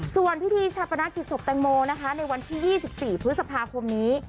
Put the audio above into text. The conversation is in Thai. ส่วนพิธีชาปนกิจศพแตงโมนะคะในวันที่๒๔พฤษภาคมนี้